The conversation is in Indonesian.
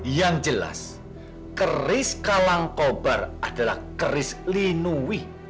yang jelas keris kalang kober adalah keris linui